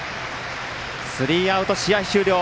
スリーアウト、試合終了。